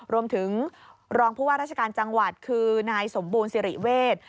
รวมถึงรองผู้ว่าราชการจังหวัดคือนายสมบูรณสิริเวศ